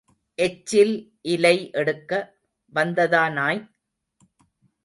எச்சில் இலை எடுக்க வந்ததா நாய்?